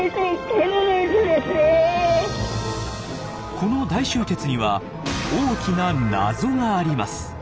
この大集結には大きな謎があります。